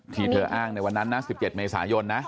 เธออ้างในวันนั้นนะ๑๗เมษายนนะ